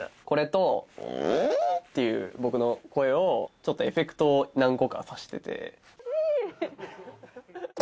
これとっていう僕の声をちょっとエフェクトを何個かさしてて。